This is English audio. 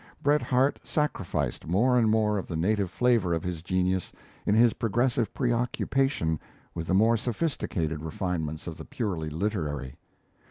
Bret Harte sacrificed more and more of the native flavour of his genius in his progressive preoccupation with the more sophisticated refinements of the purely literary.